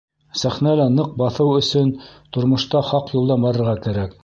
Сәхнәлә ныҡ баҫыу өсөн тормошта хаҡ юлдан барырға кәрәк.